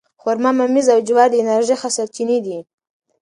خرما، ممیز او جوار د انرژۍ ښه سرچینې دي.